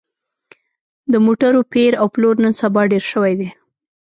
د موټرو پېر او پلور نن سبا ډېر شوی دی